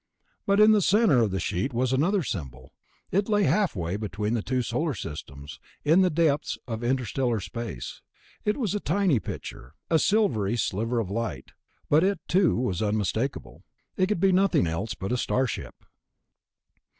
But in the center of the sheet was another symbol. It lay halfway between the two Solar Systems, in the depths of interstellar space. It was a tiny picture, a silvery sliver of light, but it too was unmistakeable. It could be nothing else but a Starship.